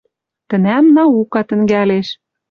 Тӹнӓм «Наукына» тӹнгӓлеш.